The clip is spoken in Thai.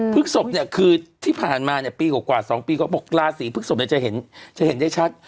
พฤกษพคือที่ผ่านมาปีกว่า๒ปีก็บอกลาศีพฤกษพจะเห็นได้ชัด